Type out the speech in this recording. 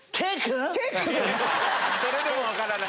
それでも分からない。